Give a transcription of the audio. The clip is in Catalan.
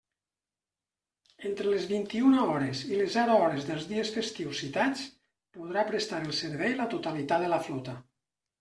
Entre les vint-i-una hores i les zero hores dels dies festius citats podrà prestar el servei la totalitat de la flota.